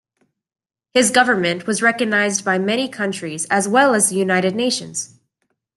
His government was recognized by many countries, as well as the United Nations.